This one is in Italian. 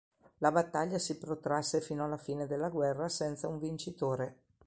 La battaglia si protrasse fino alla fine della guerra senza un vincitore.